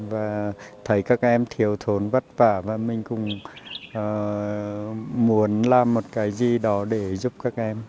và thấy các em thiếu thốn vất vả và mình cũng muốn làm một cái gì đó để giúp các em